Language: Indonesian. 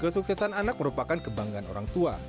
kesuksesan anak merupakan kebanggaan orang tua